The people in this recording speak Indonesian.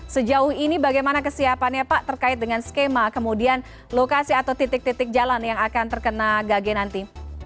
sejauh ini bagaimana kesiapannya pak terkait dengan skema kemudian lokasi atau titik titik jalan yang akan terkena gage nanti